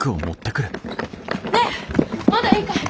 ねえまだいいかい？